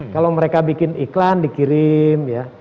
kalau mereka bikin iklan dikirim ya